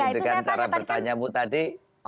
itu kan cara bertanya mu tadi